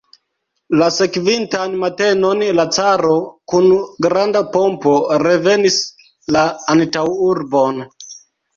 La sekvintan matenon la caro kun granda pompo revenis la antaŭurbon.